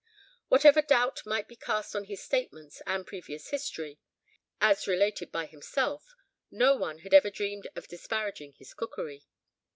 Whatever doubt might be cast on his statements and previous history, as related by himself, no one had ever dreamed of disparaging his cookery.